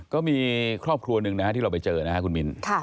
ก็มีครอบครัวหนึ่งนะฮะที่เราไปเจอนะครับคุณมิ้น